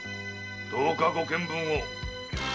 どうかご検分を。